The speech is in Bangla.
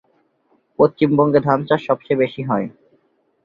পশ্চিমবঙ্গে ধানচাষ সবচেয়ে বেশি হয়।